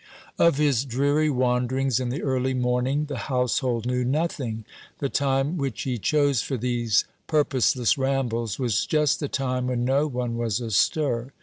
Of his dreary wanderings in the early morning the household knew nothing. The time which he chose for these purposeless rambles was just the time when no one was astir.